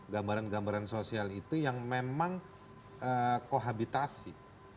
gambaran gambaran sosial itu yang memang kohabitasi